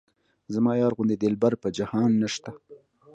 زما یار غوندې دلبر په جهان نشته.